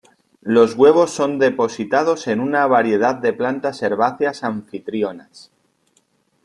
Los huevos son depositados en una variedad de plantas herbáceas anfitrionas.